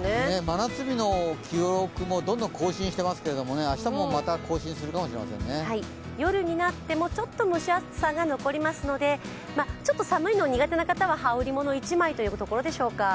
真夏日の記録もどんどん更新していますけれども夜になってもちょっと蒸し暑さが残りますのでちょっと寒いのが苦手な方は羽織り物一枚という感じでしょうか。